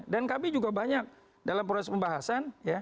dan kami juga banyak dalam proses pembahasan